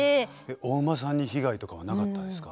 お馬さんに被害とかはなかったんですか？